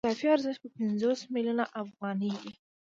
نو اضافي ارزښت به پنځوس میلیونه افغانۍ وي